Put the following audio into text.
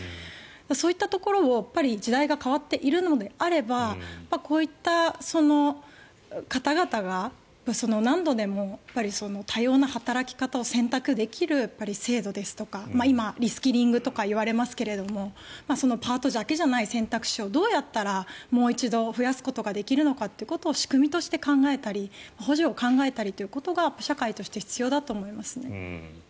そういったところを時代が変わっているのであればこういった方々が何度でも多様な働き方を選択できる制度ですとか今、リスキリングとかいわれますがパートだけじゃない選択肢をどうやったらもう一度増やすことができるのか仕組みとして考えたり補助を考えたりということが社会として必要だと思いますね。